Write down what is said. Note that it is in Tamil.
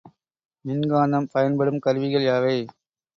மின்காந்தம் பயன்படும் கருவிகள் யாவை?